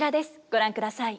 ご覧ください。